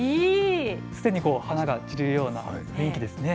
すでに花が散るような雰囲気ですね。